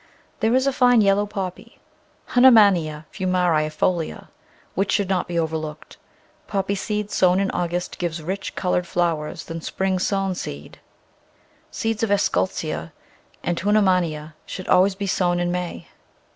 There is a fine yellow Poppy, Hunnemannia fumariaefolia, which should not be overlooked. Poppy seed sown in Au gust gives richer coloured flowers than spring sown seed. Seeds of Eschscholtzia and Hunnemannia should always be sown in May.